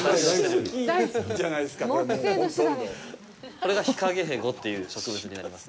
これが、ヒカゲヘゴという植物になります。